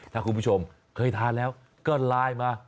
ถ้าคุณผู้ชมเคยทานแล้วก็ไลน์มา